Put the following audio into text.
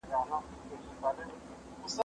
کتابونه د زده کوونکي له خوا وړل کيږي؟